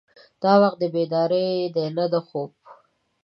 دا وخت د بیدارۍ دی نه د خوب.